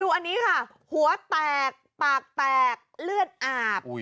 อันนี้ค่ะหัวแตกปากแตกเลือดอาบ